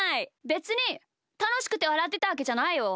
べつにたのしくてわらってたわけじゃないよ。